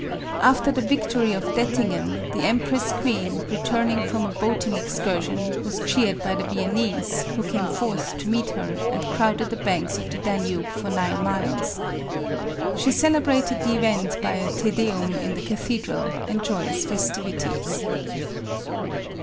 After the victory of Dettingen, the empress queen, re turning from a boating excursion, was cheered by the Viennese, who came forth to meet her and crowded the banks of the Danube, for nine miles. She celebrated the event by a Te Deum in the cathedral, and joyous festivities.